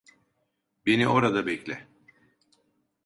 Beni orada bekle.